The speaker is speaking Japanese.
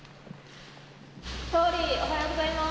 総理、おはようございます。